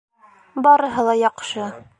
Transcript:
— Барыһы ла яҡшы.